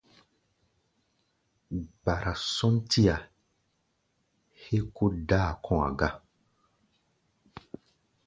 Gbárá-sɔ́ntí-a héé kó dáa kɔ̧́-a̧ ga.